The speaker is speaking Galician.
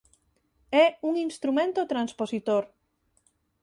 É un instrumento transpositor.